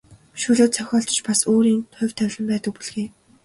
Шүлэг зохиолд ч бас өөрийн хувь тавилан байдаг бүлгээ.